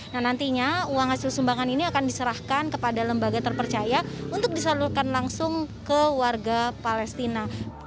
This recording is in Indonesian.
nah nantinya uang hasil sumbangan ini akan diserahkan kepada lembaga terpercaya untuk disalurkan langsung ke warga palestina